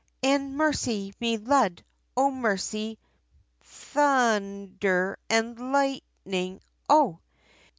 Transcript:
Ah! mercy me Lud! O mercy! thun un der an' light ning Oh!!